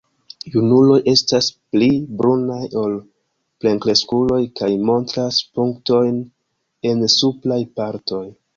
Junuloj estas pli brunaj ol plenkreskuloj kaj montras punktojn en supraj partoj.